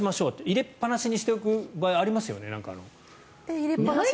入れっぱなしにしておく場合ありますよね。